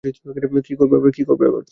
কী করবে আবার?